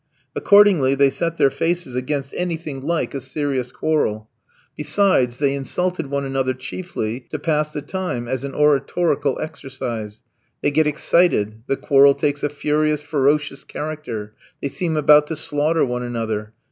Accordingly they set their faces against anything like a serious quarrel; besides, they insulted one another chiefly to pass the time, as an oratorical exercise. They get excited; the quarrel takes a furious, ferocious character; they seem about to slaughter one another.